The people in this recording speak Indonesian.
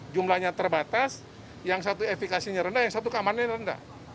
jumlahnya terbatas yang satu efekasinya rendah yang satu kamarnya rendah